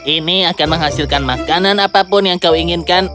ini akan menghasilkan makanan apapun yang kau inginkan